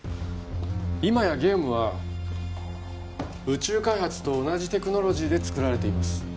今やゲームは宇宙開発と同じテクノロジーで作られています